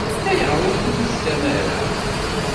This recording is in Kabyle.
Ayɣer ur d-temmektam ara?